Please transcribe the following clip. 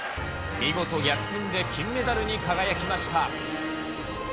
見事逆転で金メダルに輝きました。